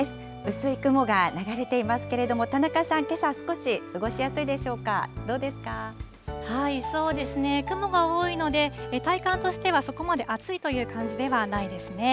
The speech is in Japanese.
薄い雲が流れていますけれども、田中さん、けさ、少し過ごしやすいでしょうか、そうですね、雲が多いので、体感としてはそこまで暑いという感じではないですね。